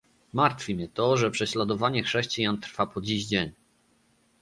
Martwi mnie to, że prześladowanie chrześcijan trwa po dziś dzień